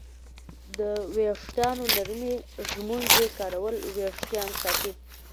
د ویښتانو نرمې ږمنځې کارول وېښتان ساتي.